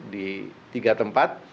di tiga tempat